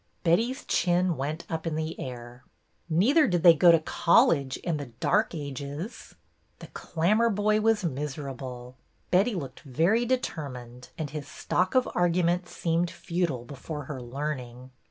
Betty's chin went up in the air. '' Neither did they go to college in the dark ages." The Clammerboy was miserable. Betty looked very determined, and his stock of arguments seemed futile before her learning.